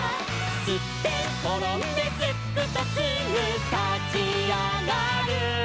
「すってんころんですっくとすぐたちあがる」